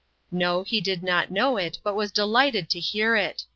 " No, he did not know it, but was delighted to hear it.